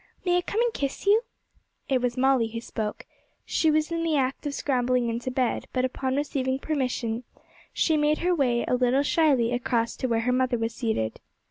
may I come and kiss you?' It was Molly who spoke. She was in the act of scrambling into bed, but upon receiving permission she made her way, a little shyly, across to where her mother was seated.